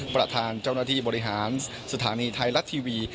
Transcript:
ประธานเจ้าหน้าที่บริหารสถานีไทยรัฐทีวี